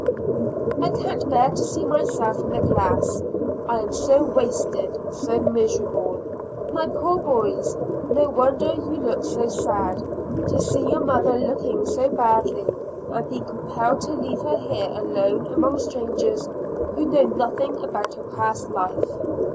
I can't bear to see myself in the glass, I am so wasted so miserable. My poor boys, no wonder you look so sad, to see your mother looking so badly, and be compelled to leave her here alone among strangers who know nothing about her past life.